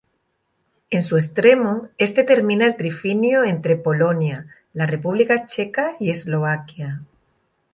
En su extremo este termina el trifinio entre Polonia, la República Checa y Eslovaquia.